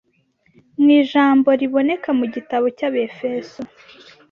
mu ijambo riboneka mu Gitabo cy’Abefeso